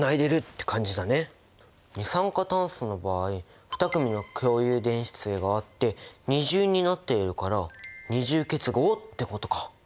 二酸化炭素の場合２組の共有電子対があって二重になっているから二重結合ってことか。